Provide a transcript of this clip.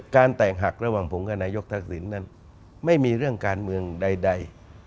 แตกหักระหว่างผมกับนายกทักษิณนั้นไม่มีเรื่องการเมืองใด